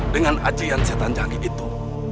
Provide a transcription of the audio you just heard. dengan ajian setan janggik itu